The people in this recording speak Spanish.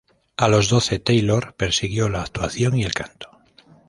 A los doce, Taylor persiguió la actuación y el canto.